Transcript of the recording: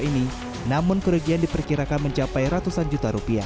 ini namun keregian diperkirakan mencapai ratusan juta rupiah